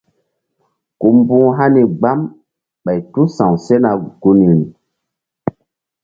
Ku mbu̧h hani gbam ɓay tu sa̧w sena gunri.